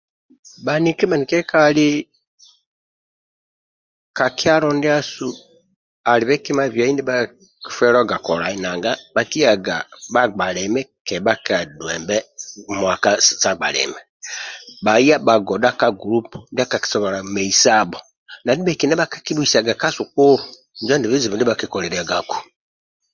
Baniki banikyekali ka kyalo ndyasu alibhe kima bhiyai ndyabhakifeluwaga kolai nanga bhakiyaga bha bga liki kebhakaduwembe mwakasi sa bga limi bhaya bhagodha ka group ndyakakisobola meisabho nandibhekina bhaka kibhuidaga ka sukulu injo andi bizizbu ndyabhakikolilyaga ku